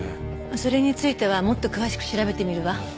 それについてはもっと詳しく調べてみるわ。